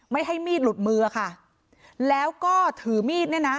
ให้มีดหลุดมือค่ะแล้วก็ถือมีดเนี่ยนะ